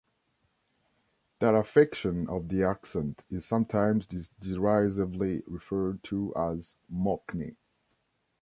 That affectation of the accent is sometimes derisively referred to as "Mockney".